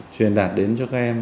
truyền đạt đến cho các em